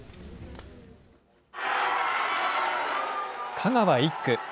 香川１区。